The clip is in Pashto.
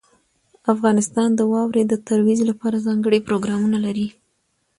افغانستان د واورې د ترویج لپاره ځانګړي پروګرامونه لري.